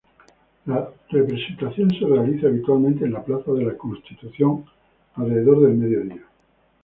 La representación se realiza habitualmente en la plaza de la Constitución, alrededor del mediodía.